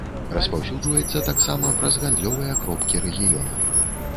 Распаўсюджваецца таксама праз гандлёвыя кропкі рэгіёна.